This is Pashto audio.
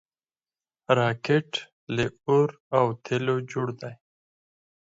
راکټ له اور او تیلو جوړ دی